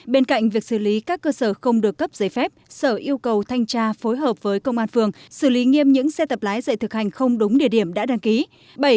bên cạnh việc xử lý các cơ sở không được cấp giấy phép sở yêu cầu thanh tra phối hợp với công an phường xử lý nghiêm những xe tập lái dạy thực hành không đúng địa điểm đã đăng ký